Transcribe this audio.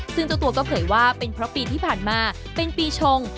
ซึ่งเจ้าตัวก็เผยว่าเป็นเพราะปีที่ผ่านมาเป็นปีชง